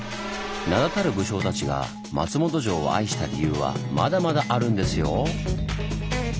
名だたる武将たちが松本城を愛した理由はまだまだあるんですよ！